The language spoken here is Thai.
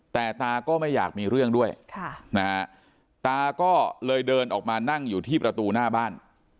แต่ตาก็ไม่อยากมีเรื่องด้วยตาก็เลยเดินออกมานั่งอยู่ที่ประตูหน้าบ้าน